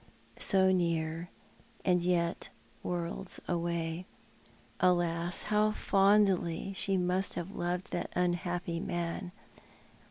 So near, and yet worlds away! Alas, how fondly she mu't have loved that unhappy man!